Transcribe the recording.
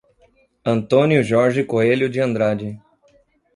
Antônio Jorge Coelho de Andrade